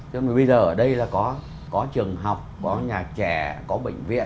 chứ bây giờ ở đây là có trường học có nhà trẻ có bệnh viện